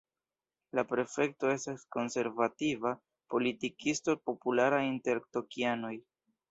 La prefekto estas konservativa politikisto populara inter tokianoj.